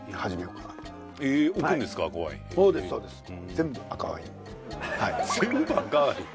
全部赤ワイン！？